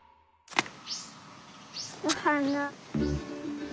おはな。